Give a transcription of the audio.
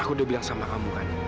aku dia bilang sama kamu kan